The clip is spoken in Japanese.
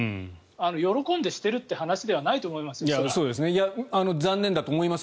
喜んでしているという話ではないと思います。